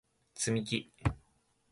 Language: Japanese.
つみき